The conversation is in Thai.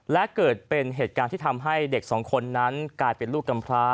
และเกิดเป็นเหตุการณ์ที่ทำให้เด็กสองคนนั้นกลายเป็นลูกกำพร้า